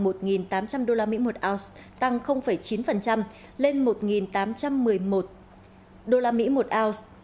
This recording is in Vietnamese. một tám trăm linh usd một ounce tăng chín lên một tám trăm một mươi một usd một ounce